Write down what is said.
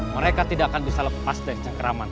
mereka tidak akan bisa lepas deh cak raman